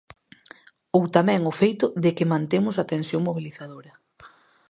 Ou tamén o feito de que mantemos a tensión mobilizadora.